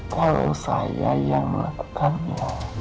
kalau saya yang melakukannya